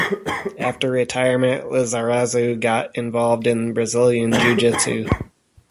After retirement, Lizarazu got involved in Brazilian Jiu-Jitsu.